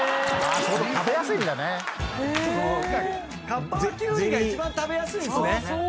カッパはきゅうりが一番食べやすいんですね。